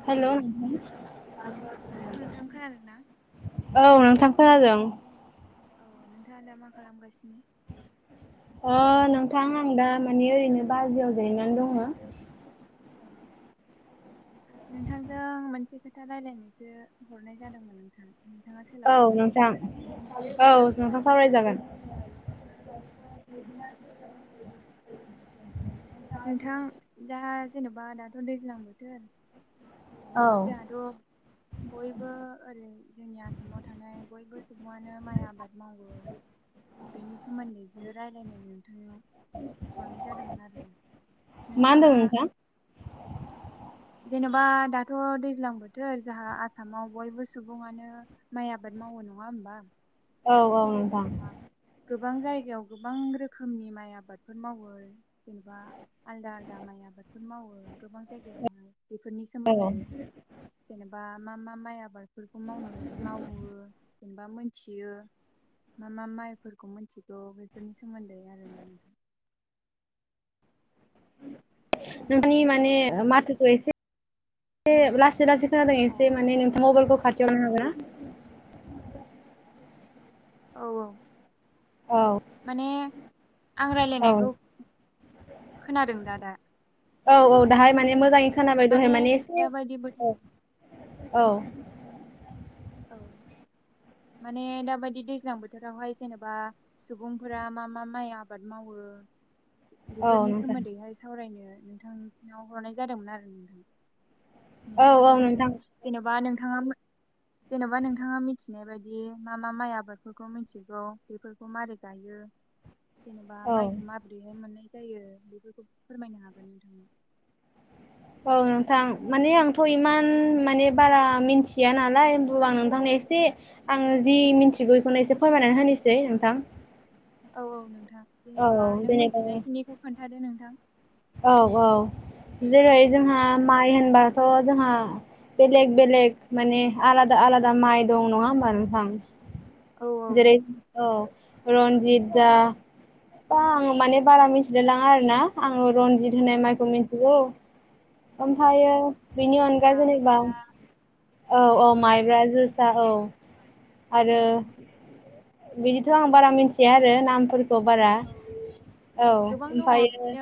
Hello hello hello खोनादों ना? नोंथां [inaudible] औ नोंथां। खोनादों। औ नोंथाङा दा मा खालामगासिनो? अ नोंथां आं दा मानि ओरैनो बाजियाव जिरायनानै दङ। औ। नोंथांजों मोनसे खोथा रायलायनोसो हरनाय जादोंमोन नोंथां। नोंथाङा औ सोलाबगोन नामा? नोंथां औ नोंथां सावरायजागोन। [inaudible] औ नोंथां दा जेनेबा दाथ' दैज्लां बोथोर औ जोहाथ' बयबो ओरै जोंनि आसामाव थानाय बयबो सुबुङानो माइ आबाद मावो। बेनि सोमोन्दै जो रायलायनाय नोंथाङा हरनाय जादोंमोन आरो। मा होनदों नोंथाङा [inaudible] नोंथां जेनेबा दाथ' दैज्लां बोथोर जाहा आसामाव बयबो सुबुङानो माइ आबाद मावो। नङा होमबा? औ औ नोंथां। जेनेबा गोबां जायगायाव गोबां रोखोमनि माइ आबादफोर मावो जेनेबा आलदा आलदा माइ आबादफोर मावो। गोबां जायगायावनो बेफोरनि सोमोन्दो जेनेबा मा मा माइ आबाद बेफोरखौ मावनो-मावो एबा मोनथियो। मा मा माइफोरखौ मोनथिगौ बेफोरनि सोमोन्दै आरोना नोंथां नोंथांनि माने जेनेबा माथोखो एसे ए लासै लासै खोनादों अ एसे माने नोंथां मबाइलखौ खाथियावनो थानो हागोना? ए। औ औ। ना औ माने आं औ राय्लायनायखौ खोनादों दा दा? औ औ दाहाय माने मोजाङै खोनाबाय दहाय माने एसे दाबायदि बोथोर औ। औ। औ। माने दाबायदि दैज्लां बोथोरावहाय जेनेबा सुबुंफोरा मा मा माइ आबाद मावो ओ औ बेफोरनि नोंथां सोमोन्दैहाय सावरायनो नोंथांनाव हरनाय जादोंमोन आरो नोंथां। औ औ नोंथांमोन नोंथां जेन'बा नोंथाङा मोन जेन'बा नोंथाङा मिथिनाय बायदि मा मा माइ आबादफोरखौ मिथिगौ बेफोरखौ मारै गायो जेनेबा औ माइखौ माब्रैहाय माने जायो बेफोरखौ फोरमायनो हागोन नोंथाङा‍? औ नोंथां माने आंथ' इमान माने बारा मिथिया नालाय होन आं नोंथांनो ए एसे आङो जि मिथिगौ बेखौनो एसे फोरमायनानै होनोसै नोंथां। औ औ नोंथां औ जेनेबा नों जेनेबा मिथिनायखिनिखौ खोन्थादो नोंथां। औ औ जेरै औ जोंहा माइ होनबाथ' जोंहा बेलेग बेलेग माने आलादा आलादा माइ दं नङा होमबा नोंथां? औ जेरै औ रन्जित जा बा आं माने बारा मिथिनो लाङा आरो ना आङो रनजित औ होनाय माइखौ मिथिगौ। औ ओमफ्रायायो बेनि जोसा अनगा जेनेबा। माइब्रा औ - औ माइब्रा, जोसा औ। आरो बिदिथ' आं बारा मिथिया आरो नाम फोरखौ। बारा औ ओमफ्रायायो।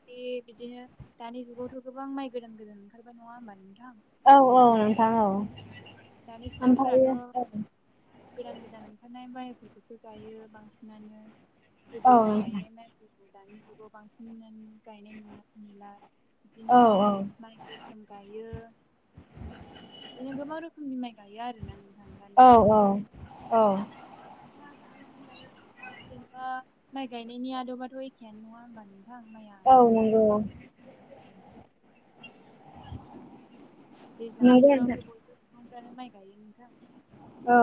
ख्रि बिदिनो दानि जुगावथ' गोबां माइ गोदान- गोदान ओंखारबाय नङा होमबा नोंथां। औ- औ नोंथां औ दानि ओमफ्राय सुबुंफोराथ' औ। गोदान - गोदान ओंखारनाय माइफोरखौसो गायो बांसिनानो औ गोदोहाय गायनाय माइफोरखौ। दानि जुगाव बांसिनानो गायनाय नुनाय नुला। औ बिदिनो माइ गोसोम गायो। नों गोबां रोखोमनि माइ गायो आरो ना। औ- औ -औ। जेनेबा माइ गायनायनि आदबाथ' एखेयानो नङा होमबानो। आं माया आदा आद नंगौ बाबो। नंगौ दैज्लां बोथोरावथ' नोंथां बयबो सिबुंफ्रानो माइ गायो नोनथां। औ।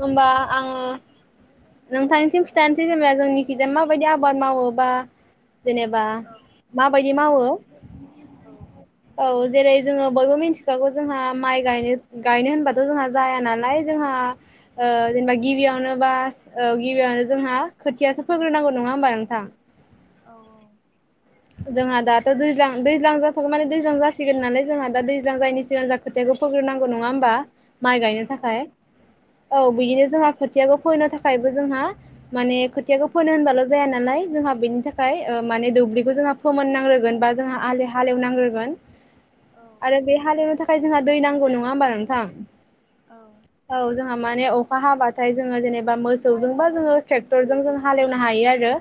होमबा आङो। नोंथांनिथिम खिथानोसै जेनेबा जोंनि खिजाया माबायदि आबाद मावोबा। जेनेबा औ माबायदि मावो औ औ जेरै। जोङो बयबो मिथिखागौ जोंहा माइय गायनो होनबाथ' जोंहा जाया नालाय जोंहा। जेनेबा गिबियावनो बास। औ गिबियावनो जोंहा खोथियासो फोग्रोनांगौ नङा होमबा नोंथां। औ। जोंहा दाथ' दै दैज्लां जाथ'वाखै माने दैज्लां जासिगोन नालाय जोंहा दा दैज्लां जायनि सिगां जा खोथिखौ फ। फोग्रोनांगौ नङा होमबा माइ गायनो औ थाखाय। औ बिदिनो जोंहा खोथियाखौ फोनो थाखायबो जोंहा माने खोथियाखौ फोनो होनबाल' जाया नालाय जोंहा। बेनि थाखाय माने दुब्लि जोंहा फोननांगोगोन बा जों हालेवनांग्रोगोन आरो बे हालेवनो थाखाय। जोंहा दै नांगौ नङा होमबा नोंथां औ औ जोंहा माने अखा हाबाथाय जोङो जेनेबा मोसौजोंबा जोङो ट्रेक्टरजों जों हाल एवनो हायो आरो।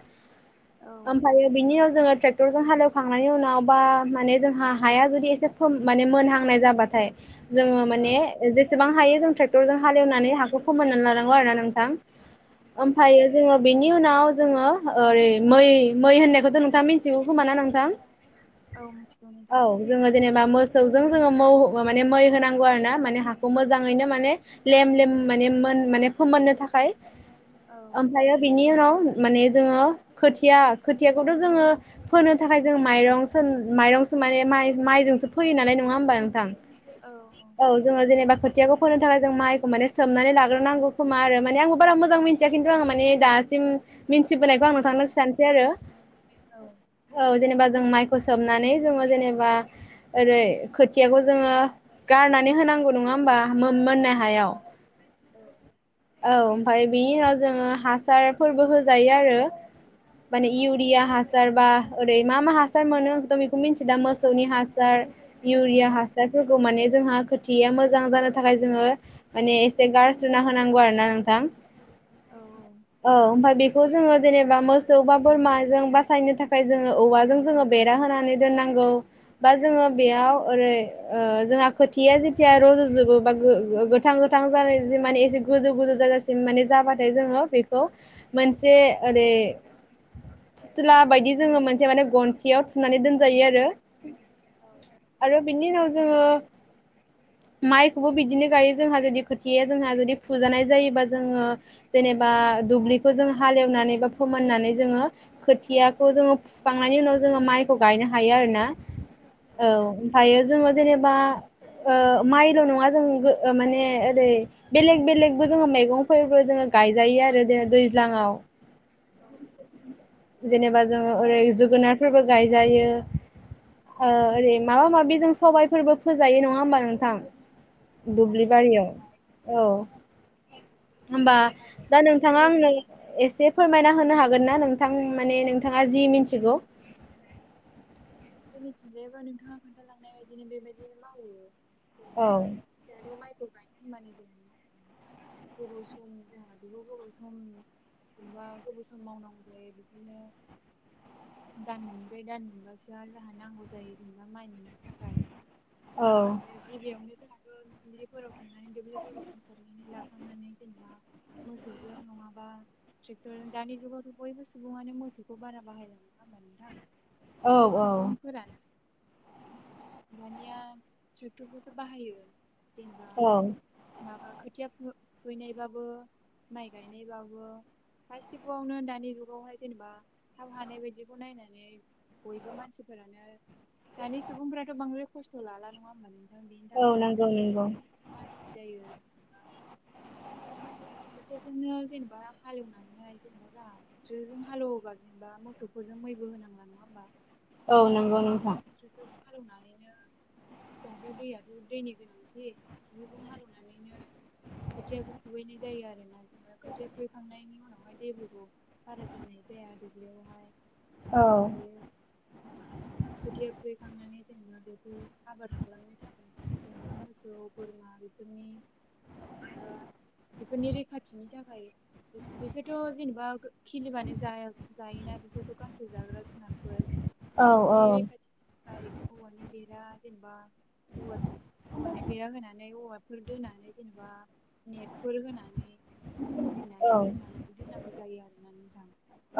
औ ओमफ्रायो बिनि उनाव जोङो ट्रेक्टरजों हालेवखांनायनि उनाव बा माने जोंहा हाया जुदि एसे खम माने मोनहांनाय जाबाथाय जोङो औ माने जेसेबां हायो जों हाल एवनानै हाखौ खोमायनानै लानांगौ आरो ना नोंथां। ओमफ्रायायो जोङो बेनि उनाव जोङो ओरै मै- मै होननायखौथ' नोंथाङां मिथि खोमा ना नोंथां औ मिथिगौ औ नोंथां जोङो जेनेबा मोसौजों मौ माने मै होनांगौ आरोना माने हाखौ मोजाङैनो माने लेम- लेम माने मोन माने फोमोननो थाखाय औ ओमफ्रायो बिनि उनाव माने जोङो खोथिया खोथियाखौथ' जोङो फोनो थाखाय जों माइरं माइरंसो माने माइ माइजोंसो फोयो नालाय नङा होमबा नोंथां औ औ जोङो जेनेबा खोथियाखौ फोनो जों माइखौ जों सोमनानै लाग्रोनांगौ खोमा आरो मान आंबो बारा मोजां मोनथिया खिथु आं मानि दासिम मिनथि बोयखौ आं नोंथांनो खोन्थानोसै आरो औ औ जेनेबा जों माइखौ सोबनानै जोङो जेनेबा ओरै खोथियाखौ जोङो गारनानै होनांगौ नङा होमबा मोननाय हायाव औ। औ ओमफ्राय बिनि उनाव जोङो हासारफोरबो होजायो आरो माने इउरिया हासार बा ओरै मा - मा हासार मोनो जों बेखौ मिथिला मोसौनि हासार इउरिया हासारफोरखौ माने जोंहा थिया मोजां जानो थाखाय जोङो माने एसे गारस्रोना होनांगौ आरो ना नोंथां। औ ओमफ्राय बे खौ जोङो जेनेबा मोसौ बा बोरमाजों बासायनो थाखाय जोङो औवाजों जोङो बेरा होनानै दोननांगौ। गौ बा जोङो बेयाव ओरै ओ जोंहा खोथिया जेथिया रज'जोबो बा गोथां गोथां जानाय जि माने एसे गोजौ गोजौ जाजासिम माने जाबाथाय जोङो बेखौ मोनसे ओरै [inaudible] फुथुला बायदि जोङो मोनसे माने गन्थियाव थुनानै दोनजायो आरो‌। आरो बिनि उनाव जोङो माइखौबो बिदिनो गायो जोंहा जुदि खोथिया जोंहा जुदि फुजानाय जायोबा जोङो जेनेबा दुब्लिखौ जों हाल एवनानै बा फोमोननानै जोङो खोथियाखौ जोङो फुखांनायनि उनाव जोङो माइखौ गायनो हायो आरो ना। औ ओमफ्रायो जोङो जेनेबा ओ माइल' नङा जों माने ओरै बेलेग बेलेगबो जोङो मैगंफोरबो जोङो गायजायो आरो जों दैज्लाङाव जेनेबा जोङो ओरै जोगोनारफोरबो गायजायो। ओरै माबा माबि जों सबायाइफोरबो फोजायो नङा होमबा नोंथां? आलि दुब्लिबारियाव आलियावहाय औ। होमबा माइ दा गायनायजों नोंथाङा लोगोसे आंनो एसे फोरमायना होनो हागोन ना नोंथां माने नोंथाङा जि मिथिगौ जोंनिथिंजायबो नोंथाङा खोन्थालांनाय बायदिनो बेबायदिनो मावो औ [unintelligible] गोबाव सम जोंहा बेखौ गोबाव सम जेनेबा गोबाव सम मावनांगौ जायो बिदिनो दान मोनब्रै दान मोनबासो जों जोंहा नांगौ जायो जेनेबा माइ मोननो थाखाय औ बिदिनो गिबियावनो जोंहाथ' दुब्लिफोराव थांनानै दुब्लिफोरखौ फोसाबनानै लाखांनानै जेनेबा मोसौजों नङाबा ट्रेक्टर दानि जुगावथ' बयबो सुबुङानो मोसौखौ बारा बाहाय नुला नोंथां गोबां औ सुबुंफोरानो दानिया ट्रेक्टरखौसो बाहायो। जेनेबा औ माबा मा खोथिया फु फुहैनायबाबो माइ गायनायबाबो। गासिबोआवनो दानि जुगावहाय जेनेबा थाब हानाय बायदिखौ नायनानै बयबो मानसिफोरानो दानि सुबुंफ्राथ' बांद्राय खस्थ' लाला नङा होनबा नोंथां? दा बेनि औ थाखायनो नंगौ नंगौ ट्रैकटरखौसो बाहायनाय जायो। टेकटरजोंनो जेनेबा हालेवनानैहाय जेनेबा जोंहा हालेवोबा जेनेबा मोसौफोरजों जों मैबो होनांला नङा होमबा? औ नंगौ बिदिनो नोंथां। ट्रेक्टरजों हालेवनानैनो जोंहाथ' दैयाथ' दैनि गोनांथि बैजों हालेवनानैनो खोथियाखौ खुबैनाय जायो। जायो आरो ना जोङो खोथिया खुबैखांनायनि उनावहाय दैफोरखौ बारा दोननाय जाया दुब्लियावहाय। औ ओमफ्रायहय खोथिया फुहै खांनानै। जेनेबा बेखौ आबाद खालामनो थाखाय जेनेबा मोसौ बोरमा बेफोरनि बा बेफोरनि रैखाथिनि थाखाय बिसोरथ' जेनेबा खिलिबानो जायो। जायोना बिसोरथ' गांसो जाग्रा जुनारफोर। औ औ बेफोरनि रैखाथिनि थाखाय औवानि बेर जेनेबा औवानि औवनि बेरा होनानै, औवाफोर दोनानै जेनेबा फोर होनानै सोमजिनानै औ दोन दोननांगौ जायो आरोना नोंथां।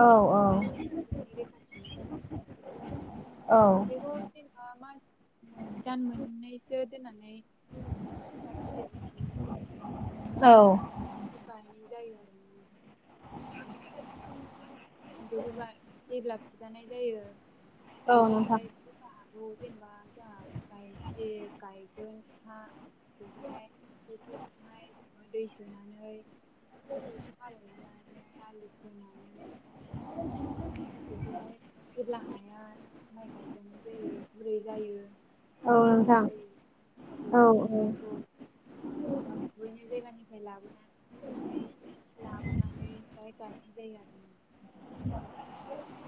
औ जेनिबा जुनारफोरनि रैखाथिनि थाखाय। औ बेखौ जेनेबा मास दान मोननैसो दोननानै ज [unintelligible] औ बेखौबा जे [unintelligible] सि जानाय जायो औ नोंथां बेखौहाय फिसा जेनेबा जोंहा गाइज गायगोन हा बेखौहाय ट्रेक्टरजोंहाय जेनेबा दै सोनानैेटरजों हाल'ना ला आलि खोनानै बेखौहाय जेब्ला हाया माइ गायजानाय जायो, गुरै जायो, औ हाब्रु नोंथां जायो, औ अब्ला माइखौ जेनेबा- दुबलि जायगानिफ्राय लाबोना थुनानै, लाबोनानै बियाव गायनाय जायो आरो ना?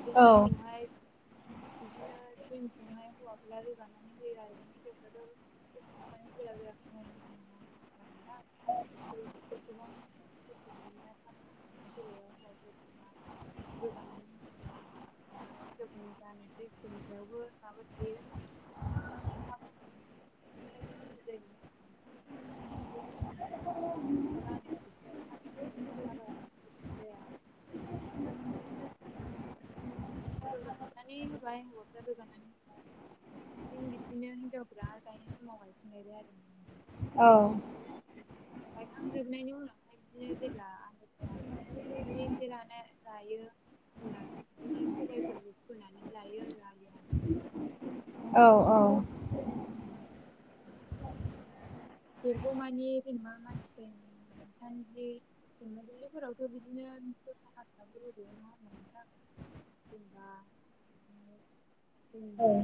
बे औ माइखौहाय बिदिनो जोंथिंहाय हौवाफ्रा रोगानानै होयो आरो ना? हिनावफ्राथ' एसेबां मानि गोरा गोरा [unintelligible] खस्थ' मोननाय बेलायाव हौवाफोर जोंहा रोगानानै होनायाव- दा गोदोनि गान्नाय द्रेसफोरनि सायावबो माबोरै थायो? गोसो जायोग [unintelligible] मनसलानि बिस उसदाया [unintelligible] [unintelligible] रनानै बाय अद्रााल जाननि [unintelligible] जों बिदिनो हिनजावफोरा गायनाय समाव गायफिनलायो आरो ना? औ गायखांजोबनायनि उनावहाय बिदिनो जेब्लानिफ्राय एसे एसे लाना गायो। ला बिदिनो सबायफोर फोनानै लायो आरो आलि आलि जिं-जिं। औ - औ देरगौ मानि जेनेबा मास मोनसे सिम। बि सान्दि दम दुब्लिफोरावथ' बिदिनो दस्रा हाग्राफोराबो र'ज'यो। नंङा होनबा नोंथां? जोंबा बिदिनो। ओं।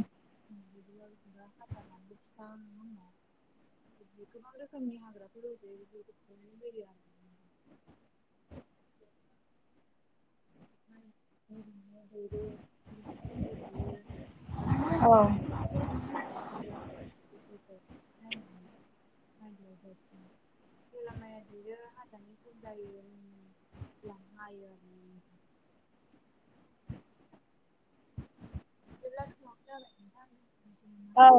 [unintelligible] बि गोबां रोखोमनि हाग्राफोर रजयो [unintelligible] [unintelligible] [unintelligible] फिथाइ थायो। औ [unintelligible] [unintelligible] जेलामाया देरो हाजानाय सम जायो होमला हायो। बिदिब्ला समाबो जाबाय नोंथां। नामा औ।